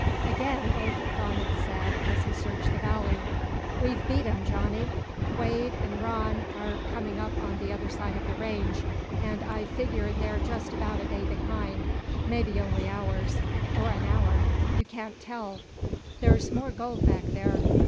Again old Donald said, as he searched the valley: "We've beat 'em, Johnny. Quade an' Rann are coming up on the other side of the range, and I figger they're just about a day behind mebby only hours, or an hour. You can't tell. There's more gold back there.